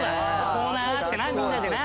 コーナーあってなみんなでな。